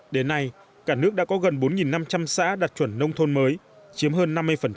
đến nay cả nước đã có gần bốn năm trăm linh xã đạt chuẩn nông thôn mới chiếm hơn năm mươi